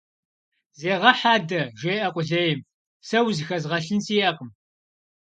Зегъэхь адэ! - жеӀэ къулейм. - Сэ узыхэзгъэлъын сиӀэкъым.